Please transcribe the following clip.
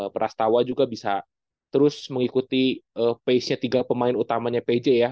prastawa juga bisa terus mengikuti pace nya tiga pemain utamanya pj ya